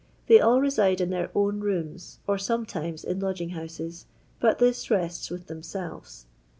They all reside in their own rooms, or sometimes in lodg ing houses, but this rests with themselves.